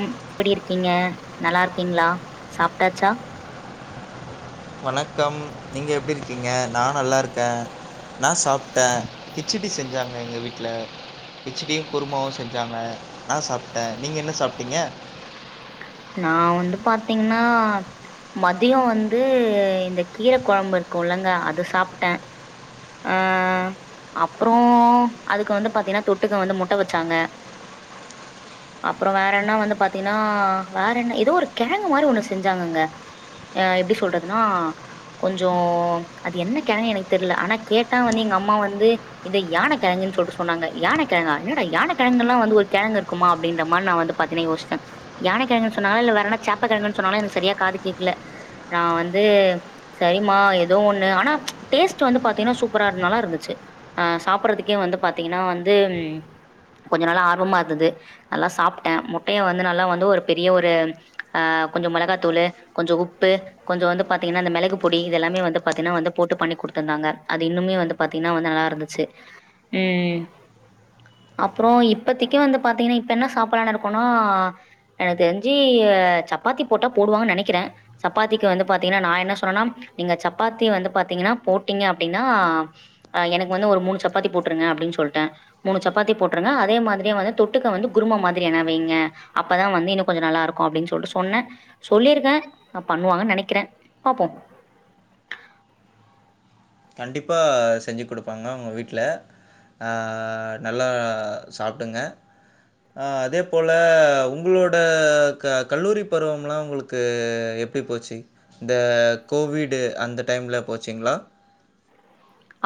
ம் எப்படி இருக்கீங்க நல்லா இருக்கீங்களா சாப்டாச்சா. வணக்கம் நீங்க எப்பட இருக்கீங்க நா நல்லா இருக்கேன் நா சாப்பிட்டேன் கிச்சடி செஞ்சாங்க எங்கள் வீட்டில கிச்சடியும் குருமாவும் செஞ்சாங்க. நா சாப்டே நீ என்ன சாப். டீங்க. நா வந்து பாத்தீங்கன்னா மதியம் வந்து இந்த கீரை குழம்பு இருக்கும் இல்லங்க அது சாப்டேன். அஹ அப்புறம் அதுக்கு வந்து பாத்தீங்கன்னா தொட்டுக்கு வந்து முட்டை வச்சாங்க அப்புறம் வேற என்ன வந்து பாத்தீங். கன்னா வேற என்ன ஏதோ ஒரு கிழங்கு மாதிரி ஒன்னு செஞ்சாங்கங்க எப்படி சொல்றதுனா கொஞ்சம் அது என்ன கிழங்கு எனக்கு தெரியல ஆனா கேட்டா வந்து எங்க அம்மா வந்து இத யானை கழங்கன்னு சொல்லிட்டு சொன்னாங்க யானைக்கிழங்கா என்னட யானை கழங்குனு எல்லாம் வந்து ஒரு கிழங்கிருக்குமா அப்படின்ற மாதிரி நான் வந்து பாத்தீங்கன்னா யோசிச்ச. யானை கிழங்கன்னு சொன்ன இல்ல வேறனா செப்ப கிழங்கன்னு சொன்னாலும் எனக்கு சரியா காது கேடக்கல நான் வந்து சரிமா ஏதோ ஒண்ணு ஆனா டேஸ்ட் வந்து பாத்தீங்கன்னா சூப்பரா இருனாலா இருந்துச்சு ஆஹ சாப்பிடறதுக்கே வந்து பாத்தீங்கன்னா வந்து கொஞ்ச நால்ல ஆர்வமா இருந்தது நல்லா சாப்பிட்டேன் முட்டையும் வந்து. நல்ல வந்து ஒரு பெரிய ஒரு ஆஹ கொஞ்சம் மிளகாத்தூள் கொஞ்சம் உப்பு கொஞ்சம் வந்து பாத்தீங்கன்னா அந்த மிளகு பொடி இதெல்லாமே வந்து பாத்தீங்கன்னா வ போட்டு பண்ணி கொடுத்துருந்தாங்க அது இன்னுமே வந்து பாத்தீங்கன்னா வ நல்லா இருந்துச்சு உம் அப்புறம் இப்பத்தக்கு வந்து பாத்தீங்கன்னா இப்ப என்ன சாப்பிட இருக்கோனா. எனக்கு தெரிஞ்சு சப்பாத்தி போட்டா போடுவாங்கன்னு நினைக்கிறேன் சப்பாத்திக்கு வந்து பாத்தீங்கன்னா நான் என்ன சொன்னேன்னா நீங்க சப்பாத்தி வந்து பாத்தீங்கன்னா போட்டீங்க அப்படின்னா அஹ எனக்கு வந்து ஒரு மூணு சப்பாத்தி போட்டருங்க அப்படின்னு சொல்லிட்டேன் மூணு சப்பாத்தி போட்டருங்க அதே மாதிரியே வந்து தொட்டுக்க வந்து குரும மாதிரி என்ன வைங்க. அப்பதான் வந்து இன்னும் கொஞ்சம் நல்லா இருக்கும் அப்படின்னு சொல்லிட்டு சொன்னேன் சொல்லியிருக்கேன் ந பண்ணுவாங்கன்னு நினைக்கிறேன் பாப்போம் கண்டிப்பா செஞ்சு கொடுப்பாங்க உங்க வீட்டில் ஆஹ் நல்லா சாப்டுங்க அதே போல உங்களோட க கல்லூரி பருவம்லாம் உங்களுக்கு எப்படி போச்சு இந்த கோவிடு அந்த டைம்ல போச்சிங்களா.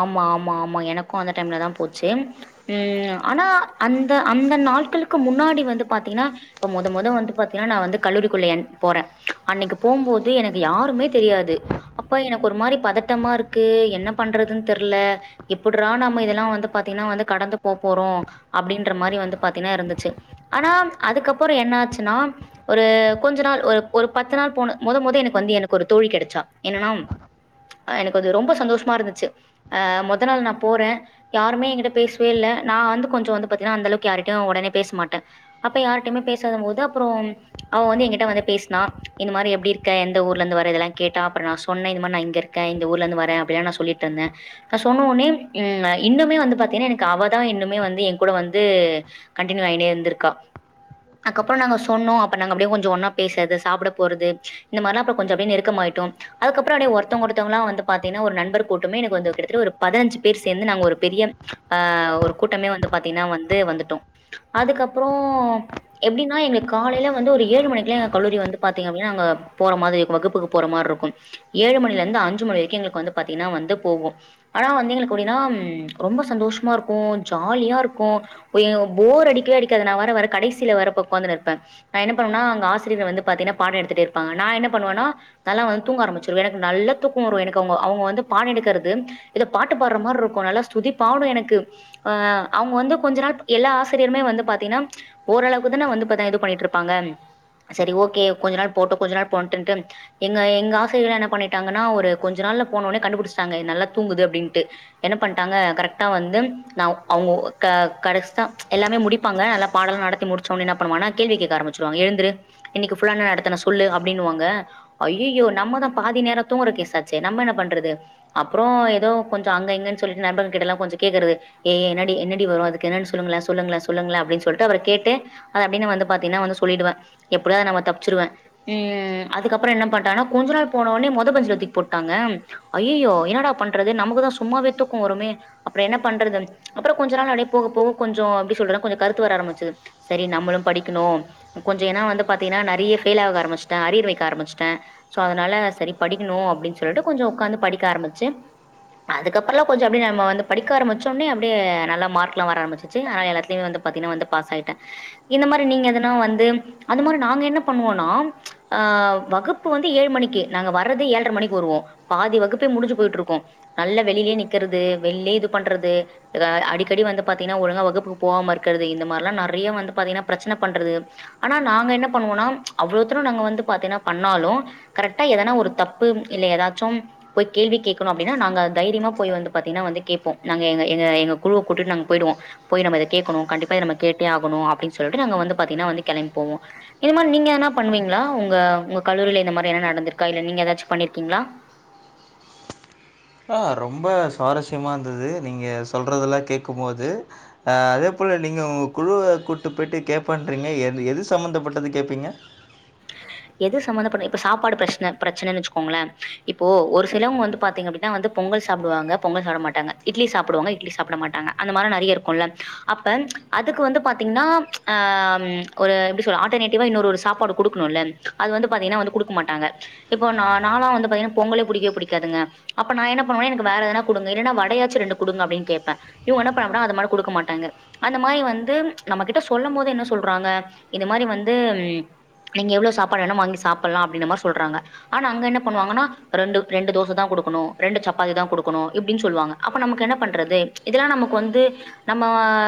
ஆமா ஆமா ஆமா எனக்கும் அந்த டைம்ல தான் போச்சு உஹம் ஆனா அந்த அந்த நாட்களுக்கு முன்னாடி வந்து பாத்தீங்கன்னா இப்ப முத முத வந்து பாத்தீங்கன்னா நான் வந்து கல்லூரிக்குள்ள ஏ போறேன் அன்னைக்கு போகும்போது எனக்கு யாருமே தெரியாது அப்ப எனக்கு ஒரு மாதிரி பதட்டமா இருக்கு என்ன. பண்றதுன்னு தெரியல எப்படறா நம் இதெல்லாம் வந்து பாத்தீங்கன்னா வந்து கடந்து போ போறோம் அப்படின்ற மாதிரி வந்து பாத்தீங்கன்னா இருந்துச்சு ஆனா அதுக்கப்புறம் என்ன ஆச்சுன்னா. ஒரு கொஞ்ச நாள் ஒரு ஒரு பத்து நாள் போன முத முத எனக்கு வந்து எனக்கு ஒரு தோழி கிடைச்சா என்னன்னா எனக்கு வந்து ரொம்ப சந்தோஷமா இருந்துச். ச்சு முத நாள் நான் போறேன் யருமே எங்கிட்ட பேசவே இல்ல நான் வந்து கொஞ்சம் வந்து பாத்தீங்கன்னா அந்த அளவுக்கு யாரிட்டையும் அவக்கு உடனே பேச மாட்ட. அப்ப யாரிட்டுமே பேசாதும் போது அப்புறம் அவன் வந்து எங்கிட்ட வந்து பேசினான் இந்த மாதிரி எப்படி இருக்க எந்த ஊர்லருந்து வரற இதெல்லாம் கேட்டா அப்றோ நான் சொன்ன இந்த மாதிரி நான் இங்க இருக்க இந்த ஊர்ல இருந்து வர அப்படியிலாம் நான் சொல்லிட். டுருந்த. நான் சொன்ன ஒடனயே ம் இன்னும்மே வந்து பாத்திங்கனா எனக்கு அவதா இன்னும்மே வந்து எங்கூட வந்து கன்டிநியூ ஆயின்னே இருந்துருக்கா. அதுக்கப்புறம் நாங்க சொன்னோம் நாங்க அப்படியே கொஞ்சம் பேசுறது, சாப்ட போறது ம்ச இந்த மாரிலாம் அப்படியே கொஞ்சம் நெருக்கோ ஆயிட்டோம். அதுக்கப்புறம் அப்படியே ஒருதவங்க ஒருதவங்களா வந்து பாத்தீன்னா ஒரு நண்பர் கூட். டமே எனக்கு வந்து கிட்டத்தட்ட ஒரு பதினஞ்சு பேரு சேர்ந்து நாங்க ஒரு பெரிய ஹ ஒரு கூட்டம்மே வந்து பாத்தீன்னா வந்து வந்துட்டோம். அதுக்கப்புறோ எப்படின்னா எங்களுக்கு காலையில வந்து ஒரு ஏழு மணிக்குல்லா எங்க கல்லூரி வந்து பாத்தீங் அப்புடியினா அங்க போன மாதிரி வகுப்புக்கு போற மாரி இருக்கும். ஏழு மணியில இருந்து அஞ்சு மணி வரைக்கும் எங்களுக்கு வந்து பாத்தீங்கனா வந்து. போகும். ஆனா வந்து எங்களுக்கு எப்படின்னா ம்ச் ரொம்ப சந்தோஷமா இருக்கும் ஜாலியா இருக்கும் எங் போர் அடிக்கவே அடிக்காது நா வேற வர கடைசியில வேற போயி உக்காந்துன்னு இருப்ப. நான் என்ன பண்ணுவன்னா அங்க ஆசியசிரியரு வந்து பாத்தீன்னா பாடோ எடுத்துட்டே இருப்பாங்க நான் என்ன பண்ணுவன்னா கால வந்து தூங்க ஆரம்பிச்சுருவ எனக்கு நல்லா தூக்கம் வரும் எனக்கு அவங்க அவங்க வந்து பாட எடுக். ருக்குறது. எதே பாட்டு பாடுற மாதிரி இருக்கு நல்லா ஸ்ருதி பாடும் எனக்கு. அஹ அவங்க வந்து கொஞ்ச நாள்ப் எல்லா ஆசிரியருமே வந்து பாத்தீன்னா ம்ச் ஓரளவுக்குதா நான் வந்து பாத்து இது பன்னீட்டுருப்பாங்க. சேரி ஓகே கொஞ்ச நாள் போட்டு கொஞ்ச நாள் போட்டுன்டு எங்க எங்க ஆசிரியருக்காள என்ன பண்ணீட்டாங்கனா ஒரு கொஞ்ச நாள்ல போன உடனே கண்டுப்புடுச். டாங்க நல்லா தூங்குது அப்படின்ட்டு என்ன பண்டாங்க கரெக்டா வந்து ந அவங்க க கடச்சுட்டா ம்ச் எல்லாமே முடிப்பாங்க நல்லா பாட எல்லாம் நடத்தி முடிச்சோம்னு என்ன பண்ணுவாங்கனா கேள்வி கேட்க ஆரம்பிச்சிருவாங்க எழுந்துரு இன்னைக்கு ஃபுல்லா என்ன நடத்துன சொல்லு அப்படின்னுவாங்க ஜயையோ நம்மதான் பாதி நேரம் தூங்கறக்கேசாச்சே நம்ம என்ன பண்றது. அப்புறம் ஏதோ கொஞ்சம் அங்க எங்கன்னு சொல்லிட்டு நண்பங்க கிட்ட எல்லாம் கொஞ்சம் கேக்குறது. ஏய் என்னடி என்னடி வரும் அதுக்கு என்னன்னு சொல்லுங்களே சொல்லுங்களே சொல்லுங்களே அப்படின்னு சொல்லிட்டு அவர கேட்டு அத அப்படின்னு வந்து பாத்தீங்கன்னா வந்து சொல்லிடுவே. எப்படியாவது நம்ம தப்புச்சிருவே. உம் அதுக்கப்புறம் என்ன பண்ணிட்டானா கொஞ்ச நாள் போனனொடனே மொத பென்ச்சுல தூக்கி போட்டாங்க அயையோ. என்னடா பண்றது நமக்குதான் சும்மாவே தூக்கும் வருமே அப்புறம் என்ன பண்றது. ம்ச் அப்புறம் கொஞ்ச நாள் அப்படியே போக போக கொஞ்சம் எப்படி சொல்றதுனா கொஞ்சம் கருத்து வர ஆரம்பிச்சது. சரி நம்மளும் படிக்கணும் கொஞ்சம் ஏன்னா வந்து பாத்தீங்கன்னா நிறைய பெயில் ஆக ஆரம்பிச்சிட்டேன் அரியர் வக்க ஆரிம்பிச்சுட்டேன் சோ அதனால சரி படிக்கணும் அப்படின்னு சொல்லிட்டு கொஞ்சம் உட்காந்து படிக்க ஆரம்பிச்ச. ச்சு. அதுக்கப்புறோலா கொஞ்சம் அப்படியே நம்ப படிக்க ஆச்சோனயே அப்படியே நல்ல மார்க்லா வர ஆரம்பிச்சுருச்சு ஆனா எல்லாதுலயும் வந்து பாத்தீன்னா பாஸ் ஆயிட்ட. இந்த மாரி நீங்க எதனா வந்து அந்த மாரி நாங்க என்ன பண்ணுவோனா ம்ச் ஆஹ வகுப்பு வந்து ஏழு மணிக்கு நாங்க வரதே ஏழ்ற மணிக்கு வருவோ பாதி வகுப்பே முடிஞ்சுப். போயிட்டு இருக்கோம். நல்ல வெளிலயே நிக்கிறது வெளிலே இது பண்றது. எதாவ அடிக்கடி வந்து பாத்தீங்கன்னா ஒழுங்கா வகுப்புக்கு போகாம இருக்கிறது இந்த மாதிரல்லாம் நிறைய வந்து பாத்தீங்கன்னா பிரச்சனை பண்றது. ஆனா நாங்க என்ன பண்ணுவோம்னா ம்ச் அவ்ளவுத்தரம் நாங்க வந்து பாத்தீங்கன்னா பண்ணாலும் கரெக்டா எதனா ஒரு தப்பு இல்ல ஏதாச்சும் போய். கேள்வி கேட்கணும் அப்படின்னா நாங்க தைரியமா போய் வந்து பாத்தீங்கன்னா வந்து கேப்போம் நாங்க எங்க எங்க குழுவ கூட்டிட்டு நாங்க போயிடுவோம். போய் அத நம்ம கேக்கணும் கண்டிப்பா இத நம்ம கேட்டே ஆகணும் அப்படின்னு சொல்லிட்டு நாங்க வந்து பாத்தீங்கன்னா வந்து கிளம்பி போவோம். இந்த மாதிரி நீங்க என்ன பண்ணுவீங்களா உங்க கல்லூரியில இந்த மாதிரி என்ன நடந்திருக்கா இல்ல நீங்க ஏதாச்சும் பண்ணிருக்கீங்களா. ஆஹ ரொம்ப சுவாரஸ்யமா இருந்தது நீங்க சொல்றதெல்லாம் கேட்கும் போோத ஆஹ அதே போல நீங்க உங்க குழுவ கூட்டு போயிட்டு கேட்பண்றீங்க எ எது சம்பந்தப்பட்டது கேட்பீங்க. எது சம்பமந்தப்பட்ட இப்ப சாப்பாடு பிரச்சனை பிரச்சனைன்னு வச்சுக்கோங்களேன் இப்போ ஒரு சிலவங்க வந்து பாத்தீங்க அப்படின்னா வந்து பொங்கல் சாப்பிடுவாங்க பொங்கல் சாப்பிட மாட்டாங்க இட்லி சாப்பிடுவாங்க இட்லி சாப்பிட மாட்டாங்க அந்த மாதிரி நிறைய இருக்கும் இல்ல அப்ப அதுக்கு வந்து பாத்தீங்கன்னா ம்ச் ஆஹ ஒரு எப்படி சொல்ல ஆல்ர்னேட்டிவா இன்னொரு ஒரு சாப்பாடு கொடுக்கணும் இல்ல. அது வந்த பாத்தீங்கனா கொடுக்க மாட்டாங்க இப்ப நானாம் வந்து பாத்தீங்கனா பொங்கலே பிடிக்கவே பிடிக்காதுங்க ம்ச் அப்ப நான் என்ன பண்ணுவா எனக்கு வேற எதனா குடுங்க இல்ன்னா வடையாச்சு ரெண்டு கொடுங்க அப்படின்னு கேடப்பே. இவங்க என்ன பண்ணுவாங்கனா அந்த மாதிரி கொடுக்க மாட்டாங்க அந்த மாதிரி வந்து ம்ச் நம்ம கிட்ட சொல்லும் போது என்ன சொல்றாங்க இது மாரி வந்து நீங்க எவ்ளோ சாப். பாடுனாலு வாங்கி சாப்பிடலாம் அப்படின மாரி சொல்றாங்க. ஆனா அங்க என்ன பண்ணுவாங்கன்னா ரண்டு ரெண்டு தோச தான் கொடுக்கணும் ரெண்டு சப்பாத்தி தான் கொடுக்கணும் இப்படின்னு சொல்லுவாங்க அப்ப நமக்கு என்ன பண்றது ம்ச் இதெல்லாம் நமக்கு வந்து நம்ம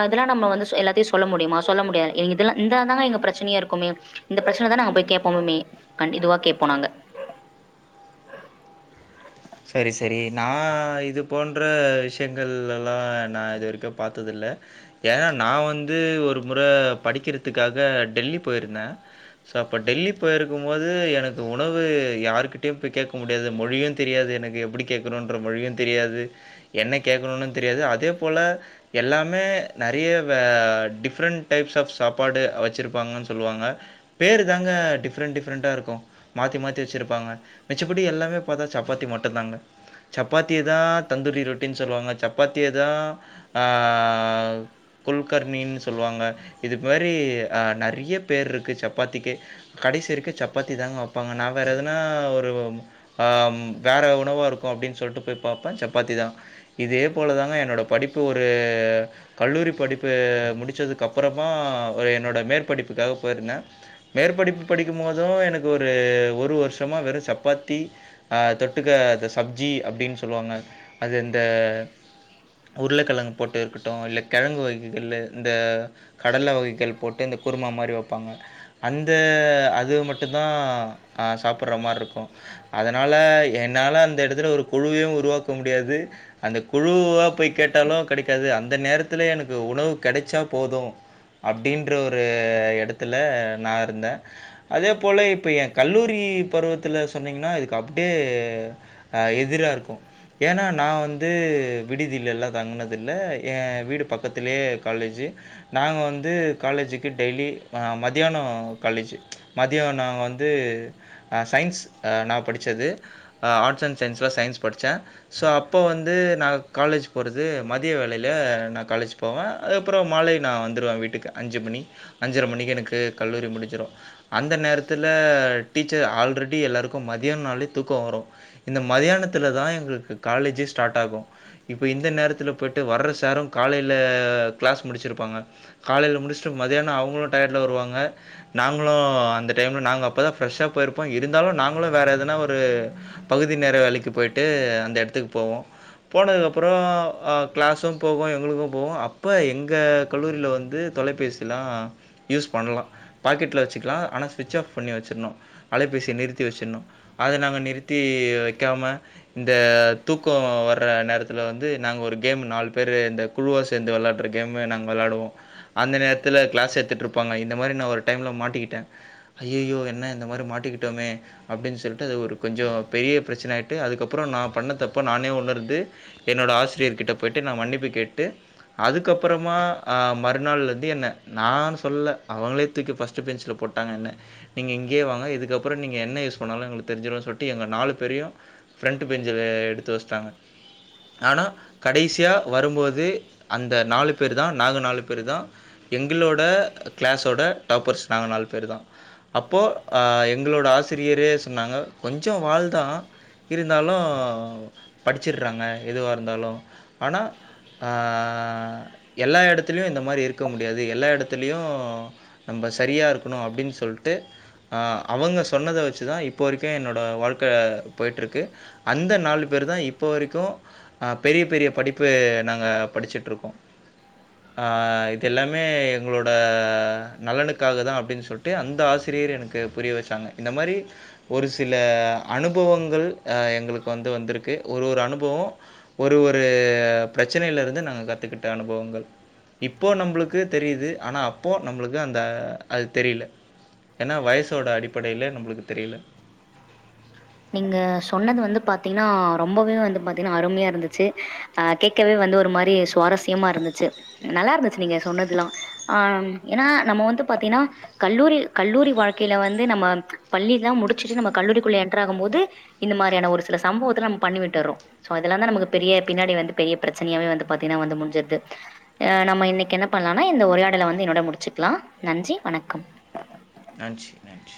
இதெல்லாம் நம்ம எல்லாத்தையும் சொல்ல முடியுமா சொல்ல முடியாது இதெல்லாம்தா எங்க பிரச்சனையா இருக்குமே இந்த பிரச்சனை தான் நாங்க போய் கேப். கேப்பவுமே கண்ட இதுவா கேட்போ நாங்க. சரி சரி நான் இது போன்ற விஷயங்கள் எல்லாம் நான் இது வரைக்கும் பார்த்ததில்லை. ஏன்னா நான் வந்து ஒரு முறை படிக்கிறதுக்காக டெல்லி போயிருந்தேன் ஸோ அப்போ டெல்லி போயிருக்கும் போது எனக்கு உணவு யாருகிட்டயும் போய் கேட்க முடியாது மொழியும் தெரி. தெரியாது எனக்கு எப்படி கேக்கணும்ற மொழியும் தெரியாது என்ன கேக்கணும்னு தொரியாது அதே போல எல்லாமே நரய வே டிஃரண்டு டைப்ஸ் ஆஃப் சாப்பாடு வச்சுருப்பாங்கனு சொல்லுவாங்க பேரு தாங்க டிஃப்ரெண்ட் டிஃப்ரெண்ட்டா இருக்கும் மாத்தி மாத்தி வச்சுருப்பாங்க மிச்சப்படி எல்லாமே பாத். சப்பாத்தி மட்டும் தாங்க சப்பாத்தியேதான் தந்தூரி ரொட்டினு சொல்லுவாங்க சப்பாத்தியேதான் ஆ குல்கர் நீன்னு சொல்லுவாங்க இது மாரி நிறைய பேர் இருக்கு சப். சப்பாத்திக்கு கடைசி இருக்கு சப்பாத்தி தாங்க வைப்பாங்க நான் வேறு எதுனா ஒரு வேற உணவா இருக்கும் அப்படின்னு சொல்லிட்டு போய் பார்ப்பேன் சப்பாத்தி தான் இதே போல தாங்க என்னோட படிப்பு ஒரு கல்லூரி படிப்பு முடிச்சதுக்கு அப்புறமா ஒரு என்னோட மேற்படிப்புக்காக போயிருந்தேன். மேற்படிப்பு படிக்கும் போதும் எனக்கு ஒரு ஒரு வருஷமா வெறும் சப்பாத்தி. அஹ தொட்டுக்க அ இந்த சப்ஜி அப்படின்னு சொல்லுவாங்க அது இந்த உருளைக்கிழங்கு போட்டு இருக்கட்டும் இல்ல கிழங்கு வகைகள் இந்த. கடல வகைகள் போட்டு இந்த குருமா மாதிரி வைப்பாங்க அந்த அது மட்டுந்தான். ஆ சாப்பிடற மாதிரி இருக்கோ அத. அதனால என்னால அந்த இடத்துல ஒரு குழுவையும் உருவாக்க முடியாது. அந்த குழுவா போய் கேட்டாலும் கிடைக்காது அந்த நேரத்தில எனக்கு உணவு கிடைச்சா போதும் அப்படின்ற ஒரு இடத்துல நான் இருந்தேன அதே போல இப்போ என் கல்லூரி பருவத்தில சொன்னீங்கன்னா. கப்படியே. எதிரா இருக்கோ ஏன்னால் நான் வந்து விடுதில்ல்லாம் தங்கினதில்லை என் வீடு பக்கத்துலயே காலேஜி நாங்கள் வந்து காலேஜுக்கு டெய்லி மதியியானோ காலேஜ் மதியானம் நாங்க வந்து சயின்ஸ் ச்சது ஆட்ஸ் அண்ட் சைன்ஸ்ல சைன்ஸ் படிச்ச சோ அப்போ வந்து நா காலேஜ் போறது மதிய வேலையில் நா காலேஜ் போவ அப்ற மாலை நா வந்துடுவ வீட்டுக்கு அஞ்சு மணி அஞ்சரை மணிக்கு எனக்கு கல்லூரி முடிஞ்ரோ அந்த நேரத்துல டீச்சர் ஆல்ரெடி எல்லாருக்கும் மத் யோனாலே தூக்கோ வரோ இந்த மதியானதுலதா எங்ளுக்கு காலேஜே ஸ்டார்ட்டாகும் இப்ப இந்த நேரத்ல போய்ட்டு வர்ற சேரும் காலைல க்ளாஸ் முடிச்சிருப்பாங்க காலைல முடிச்ட்டு மதியான அவங்ளும் டயட்ல வருவாங்க நாங்ளு அந்த டைம்ல நாங்க அப்பதா ப்ரஸ்ஷா போயிருப்போ இருந்தாலும் நாங்ளும் வேற எதா எதனா ஒரு பகுதி நேர வேலைக்கு போயிட்டு அந்த இடத்துக்கு போவோ அத நாங்க நிறுத்தி வக்காம இந்த தூக்கம் வர்ற நேரத்ல வந்து நாங்க ஒரு கேம் நாலு பேர் இந்த குழுவாக சேர்ந்து விளாட்ற கேமு நாங்க விளாடுவோ அந்த நேரத்ல க்ளாஸ் எடுத்துட்ருப்பாங்க இந்த மாரி நா ஒரு டைம்ல மாட்டிகிட்ட அடுத்தது ஒரு கொஞ்ச பெரிய பிரச்சனாயிட்டு அதுக்கப்ற நா பண்ண தப்ப நானே உணர்ந்து என்னோட ஆசிரியர் கிட்ட போய்ட்டு நா மன்னிப்பு கேட்டு அதுக்கப்றமா மறுநாள்லருந்து என்ன நானு சொல்ல அவங்ளே தூக்கி பர்ஸ்ட்டு பெஞ்சல போட்டாங்க என்ன நீங்க இங்கியே வாங்க இதுக்கப்றம் நீங்க என்ன யூஸ் பண்ணாலும் எங்க தெரிஞ்சுரு சொல்ட்டு எங்க நாலு பேரையும் ப்ரெண்ட்டு பெஞ்சுல எடுத்து வஸ்ட்டாங்க ஆனா கடைசியா வரும்போது அந்த நாங்க கொஞ்ச ச்சம் வாழ்த்தனம் இருந்தாலும் படிச்சர்றாங்க எதுவா இருந்தாலு ஆனா ஆ எல்லா இடத்துலுயு இந்த மாரி இருக்க முடியாது எல்லா இடத்து த்திலியு நம்ம சரியா இருக்கணு அப்டின் சொல்ட்டு ஆ அவங்க சொன்னத வச்சுதா இப் என்னோட வாழ்க்க போய்ட்ருக்கு அந்த நாலு பேர்தா இப்ப வரைக்கு அ பெரிய பெரிய படிப்பு நாங்க படிஸ்சிட்ருக்கோ ஆஹ் இது எல்லாமே எங்ளோட நல்லனுக்காகதா அப்டின் சொல்லி அந்த ஆசிரியர் எனக்கு புரிய வச்சாங்க இந்த மாரி ஒரு சில அனுபவங்கள் அ எங்ளுக்கு வந்து வந்திருக்கு ஒரு ஒரு அனுபவோ ஒரு ஒரு பிரச்சனைலருந்து நாங்க கத்துகிட்ட அனுபவங்கள் இப்போ நம்ளுக்கு தெரியுது ஆனா அப்போ நம்ளுக்கு அந்த அது தெரில ஏனா வயசோட அடிப்படைல நம்ளுக்கு தெரில நீங்க சொன்னது வந்து பாத்தீங்னா ரொம்பவே வந்து பாத்தீங்னா அருமையா இருந்துச்சு அஹ் கேட்கவே வந்து ஒரு மாரி சுவாரஸ்யமா இருந்துச்சு நல்லாருந்துச்சு நீங்க சொன்னதுலா ஆஹ் ஏனா நம்ம வந்து பாத்தீங்னா கல்லூரி கல்லூரி வாழ்க்கைல வந்து நம்ம பள்ளிலா முடிச்சுட்டு நம்ம கல்லூரிக்குள்ள என் ட்ராக போது இந்த மாரியான ஒரு சில சம்பவத்துல நம்ம பண்ணி விட்டர்றோ சோ அதெலாதா நமக்கு பெரிய பின்னாடி வந்து பெரிய பிரச்சனையாவே வந்து பாத்தீனா வந்து முடிஞ்சுறுது ஆஹ் நம்ம இன்னைக்கு என்ன பண்ணலானா இந்த உரையாடல வந்து என்னோட முடிச்சுக்லா நன்றி வணக்கம் நன்றி நன்றி